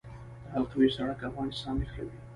د حلقوي سړک افغانستان نښلوي